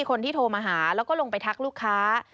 คนที่โทรมาหาแล้วก็ลงไปทักลูกค้า